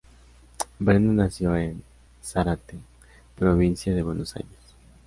Brenda nació en Zárate, provincia de Buenos Aires.